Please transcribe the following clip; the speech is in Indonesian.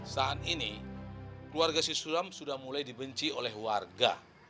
saat ini keluarga si suram sudah mulai dibenci oleh warga